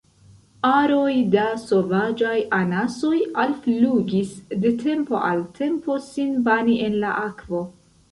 Aroj da sovaĝaj anasoj alflugis de tempo al tempo sin bani en la akvo.